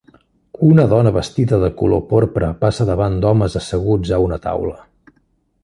Una dona vestida de color porpra passa davant d'homes asseguts a una taula.